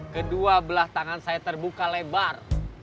kedua belah tangan saya terbuka lebar